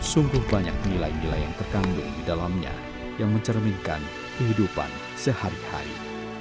sungguh banyak nilai nilai yang terkandung di dalamnya yang mencerminkan kehidupan sehari hari